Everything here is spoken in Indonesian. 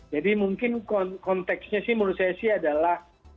jadi mungkin konteksnya sih menurut saya sih adalah